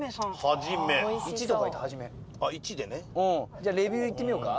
じゃレビューいってみようか。